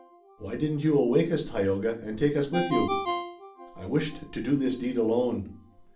"Why didn't you awake us, Tayoga, and take us with you?" "I wished to do this deed alone."